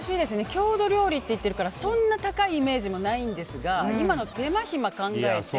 郷土料理って言ってるからそんな高いイメージがないんですが今の手間暇を考えて。